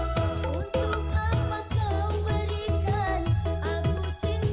kau yang selalu membuat aku menangis